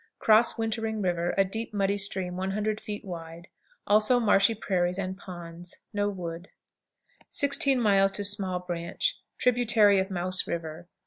Cross Wintering River, a deep, muddy stream 100 feet wide, also marshy prairies and ponds. No wood. 16. Small Branch. Tributary of Mouse River.